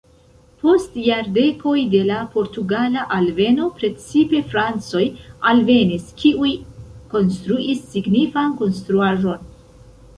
Post jardekoj de la portugala alveno precipe francoj alvenis, kiuj konstruis signifan konstruaĵon.